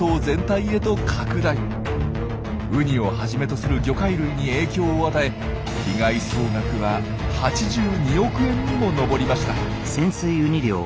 ウニをはじめとする魚介類に影響を与え被害総額は８２億円にも上りました。